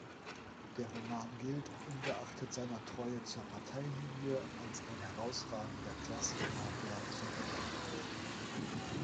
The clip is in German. Der Roman gilt, ungeachtet seiner Treue zur Parteilinie, als ein herausragender Klassiker der Sowjetliteratur.